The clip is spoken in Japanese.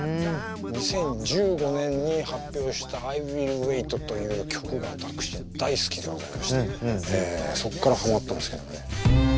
２０１５年に発表した「ＩＷｉｌｌＷａｉｔ」という曲が私大好きでございましてそこからハマったんですけどもね。